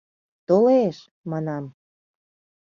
— Толеш! — манам.